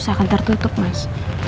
sakan tertutup mas